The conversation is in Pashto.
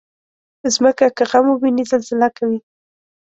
مځکه که غم وویني، زلزله کوي.